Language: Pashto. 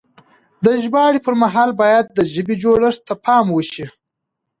د ژباړې پر مهال بايد د ژبې جوړښت ته پام وشي.